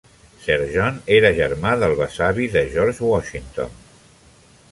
Sir John era germà del besavi de George Washington.